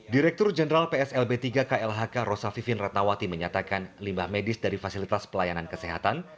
direktur jenderal pslb tiga klhk rosa vivin ratnawati menyatakan limbah medis dari fasilitas pelayanan kesehatan